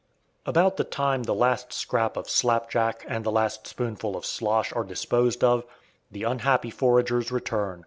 About the time the last scrap of "slapjack" and the last spoonful of "slosh" are disposed of, the unhappy foragers return.